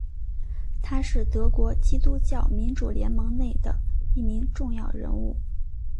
他是德国基督教民主联盟内的一名重要人物。